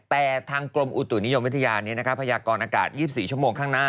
แต่ทางกรมอุตุนิยมวิทยานี้พยากรอากาศ๒๔ชั่วโมงข้างหน้า